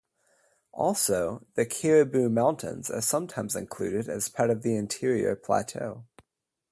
Also, the Cariboo Mountains are sometimes included as part of the Interior Plateau.